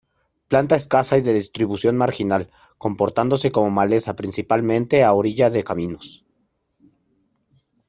Planta escasa y de distribución marginal, comportándose como maleza principalmente a orilla de caminos.